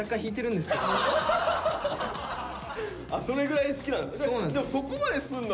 それぐらい好きなんだ。